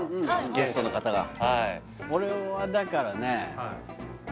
ゲストの方がはい俺はだからね